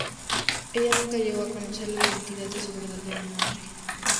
Ella nunca llegó a conocer la identidad de su verdadera madre.